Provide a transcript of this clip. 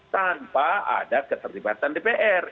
tanpa ada keterlibatan dpr